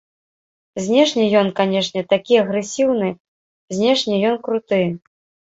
Знешне ён, канешне, такі агрэсіўны, знешне ён круты.